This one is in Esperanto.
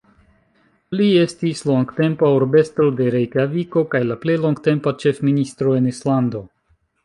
Li estis longtempa urbestro de Rejkjaviko kaj la plej longtempa ĉefministro en Islando.